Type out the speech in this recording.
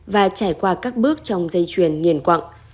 và trải qua các bước trong dây chuyền nghiền quặng